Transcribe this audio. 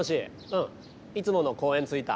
うんいつもの公園着いた。